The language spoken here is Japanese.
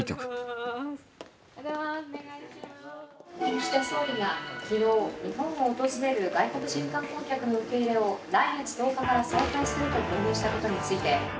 「岸田総理が昨日日本を訪れる外国人観光客の受け入れを来月１０日から再開すると表明したことについて」。